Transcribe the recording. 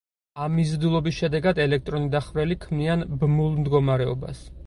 ამ მიზიდულობის შედეგად ელექტრონი და ხვრელი ქმნიან ბმულ მდგომარეობას.